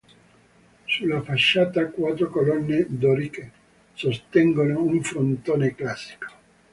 Sulla facciata, quattro colonne doriche sostengono un frontone classico.